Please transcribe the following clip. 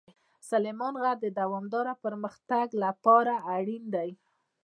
سلیمان غر د دوامداره پرمختګ لپاره اړین دی.